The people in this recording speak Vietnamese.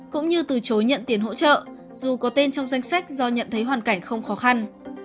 cũng như từ chối nhận tiền hỗ trợ dù có tên trong danh sách do nhận thấy hoàn cảnh không khó khăn